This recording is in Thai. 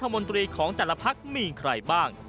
แต่ในส่วนคุณที่จะมาเป็นแคดดาต์ของแต่ละพักมีใครบ้าง